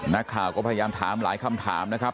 นักข่าวก็พยายามถามหลายคำถามนะครับ